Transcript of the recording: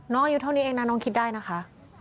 อายุเท่านี้เองนะน้องคิดได้นะคะ